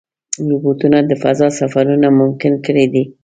روبوټونه د فضا سفرونه ممکن کړي دي.